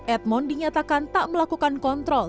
edmond dinyatakan tak melakukan kontrol